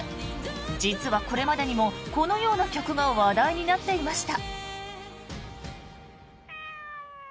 実はこれまでにもこのような曲が話題になっていました。